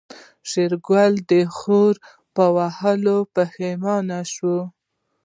شېرګل د خور په وهلو پښېمانه شو.